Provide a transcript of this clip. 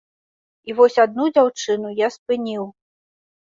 І вось адну дзяўчыну я спыніў.